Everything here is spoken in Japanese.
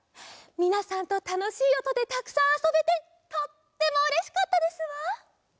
みなさんとたのしいおとでたくさんあそべてとってもうれしかったですわ。